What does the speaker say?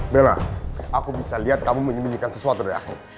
bella aku bisa lihat kamu menyembunyikan sesuatu dari aku